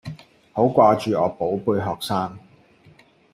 好掛住我寶貝學生